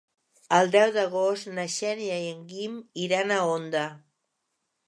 El deu d'agost na Xènia i en Guim iran a Onda.